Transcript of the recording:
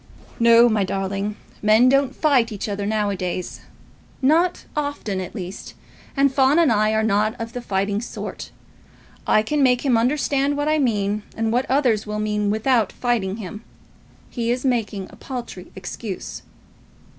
"No, my darling. Men don't fight each other now a days; not often, at least, and Fawn and I are not of the fighting sort. I can make him understand what I mean and what others will mean without fighting him. He is making a paltry excuse."